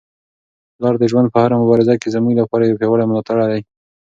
پلار د ژوند په هره مبارزه کي زموږ لپاره یو پیاوړی ملاتړی دی.